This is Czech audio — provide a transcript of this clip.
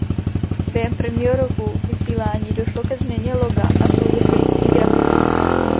Během prvního roku vysílání došlo ke změně loga a související grafiky.